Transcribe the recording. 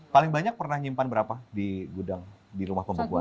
paling banyak pernah nyimpan berapa di gudang di rumah pembekuan